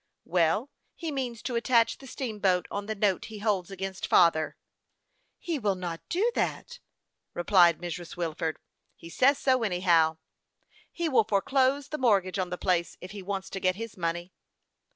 " Well, he means to attach the steamboat on the note he holds against father." " He will not do that !" replied Mrs. Wilford, alarmed at the suggestion. " He says so, anyhow." " He will foreclose the mortgage on the place if he wants to get his money."